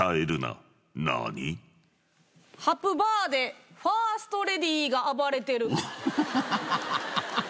ハプバーでファーストレディが暴れてる。